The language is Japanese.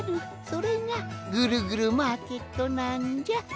それがぐるぐるマーケットなんじゃ。